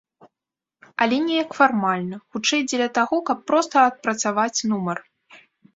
Але неяк фармальна, хутчэй, дзеля таго, каб проста адпрацаваць нумар.